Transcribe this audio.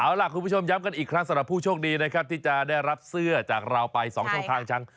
เอาล่ะคุณผู้ชมย้ำกันอีกครั้งสำหรับผู้โชคดีนะครับที่จะได้รับเสื้อจากเราไป๒ช่องทางช้าง